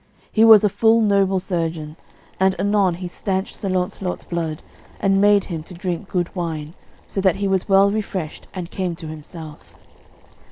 He was a full noble surgeon, and anon he stanched Sir Launcelot's blood, and made him to drink good wine, so that he was well refreshed, and came to himself.